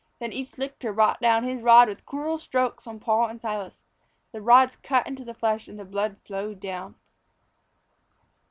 Then each lictor brought down his rod with cruel strokes on Paul and Silas. The rods cut into the flesh and the blood flowed down.